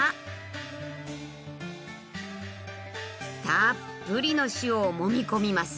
たっぷりの塩をもみ込みます。